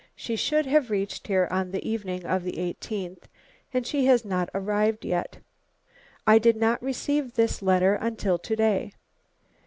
She should have reached here on the evening of the 18th, and she has not arrived yet. I did not receive this letter until to day."